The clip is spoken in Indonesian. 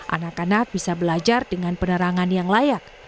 anak anak bisa belajar dengan penerangan yang layak